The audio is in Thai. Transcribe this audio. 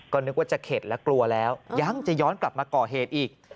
ก็นึกว่าจะเข็ดและกลัวแล้วยังจะย้อนกลับมาก่อเหตุอีก